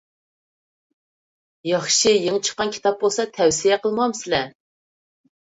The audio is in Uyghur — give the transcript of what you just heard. ياخشى، يېڭى چىققان كىتاب بولسا تەۋسىيە قىلمامسىلەر؟